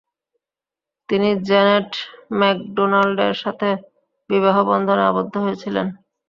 তিনি জ্যানেট ম্যাকডোনাল্ডের সাথে বিবাহবন্ধনে আবদ্ধ হয়েছিলেন।